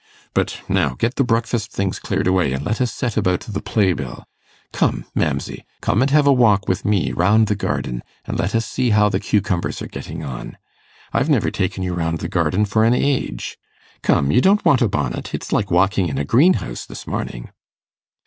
But now, get the breakfast things cleared away, and let us set about the play bill. Come, mamsey, come and have a walk with me round the garden, and let us see how the cucumbers are getting on. I've never taken you round the garden for an age. Come, you don't want a bonnet. It's like walking in a greenhouse this morning.